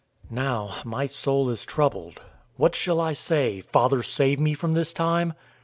012:027 "Now my soul is troubled. What shall I say? 'Father, save me from this time?'